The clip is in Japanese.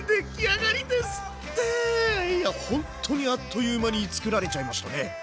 いやほんとにあっという間に作られちゃいましたね。